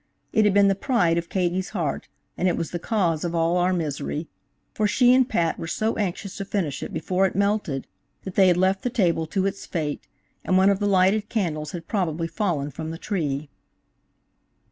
It had been the pride of Katie's heart and it was the cause of all our misery, for she and Pat were so anxious to finish it before it melted that they had left the table to its fate, and one of the lighted candles had probably fallen from the tree.